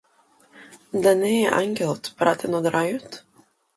Да не е ангелот пратен од рајот.